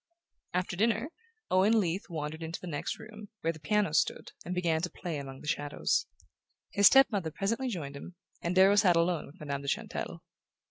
After dinner Owen Leath wandered into the next room, where the piano stood, and began to play among the shadows. His step mother presently joined him, and Darrow sat alone with Madame de Chantelle.